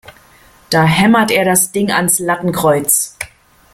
Da hämmert er das Ding ans Lattenkreuz!